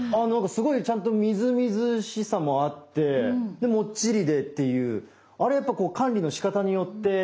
すごいちゃんとみずみずしさもあってでもっちりでっていうあれやっぱ管理のしかたによってってことなんですかね。